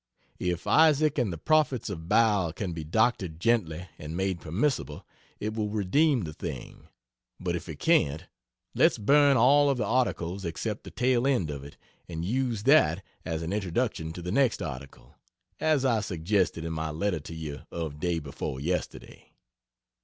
If Isaac and the prophets of Baal can be doctored gently and made permissible, it will redeem the thing: but if it can't, let's burn all of the articles except the tail end of it and use that as an introduction to the next article as I suggested in my letter to you of day before yesterday.